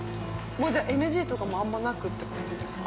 ◆もうじゃあ、ＮＧとかもあんまなくってことですか。